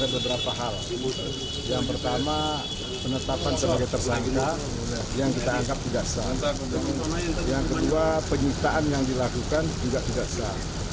kepada pemerintahan yang dilakukan juga tidak sah